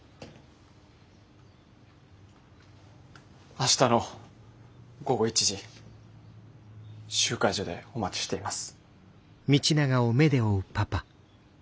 明日の午後１時集会所でお待ちしています。